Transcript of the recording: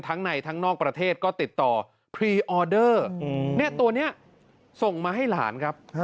ทั้งในทั้งนอกประเทศก็ติดต่อพรีออเดอร์ตัวนี้ส่งมาให้หลานครับ